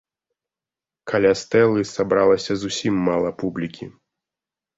Каля стэлы сабралася зусім мала публікі.